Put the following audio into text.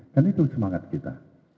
kan itu semangat kita